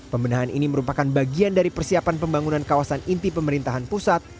pembenahan ini merupakan bagian dari persiapan pembangunan kawasan inti pemerintahan pusat